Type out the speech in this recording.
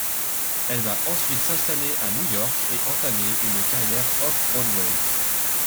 Elle va ensuite s'installer à New York et entamer une carrière Off-Broadway.